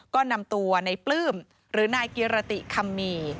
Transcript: ก็นำตัวในปลื้มหรือนายกิรติคัมมี